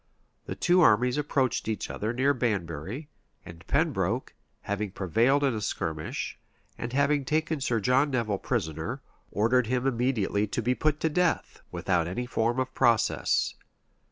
The two armies approached each other near Banbury; and Pembroke, having prevailed in a skirmish, and having taken Sir John Nevil prisoner, ordered him immediately to be put to death, without any form of process.